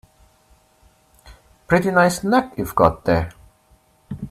Pretty nice neck you've got there.